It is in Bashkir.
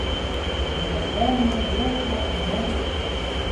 Ерләнгәнме, юҡмы, уныһын...